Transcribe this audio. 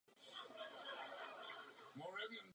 Do této kategorie patří spotřebitelské úvěry.